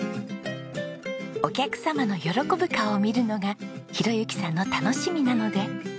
お客様の喜ぶ顔を見るのが宏幸さんの楽しみなので。